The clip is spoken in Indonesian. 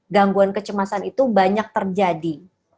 gangguan kecemasan itu banyak terjadi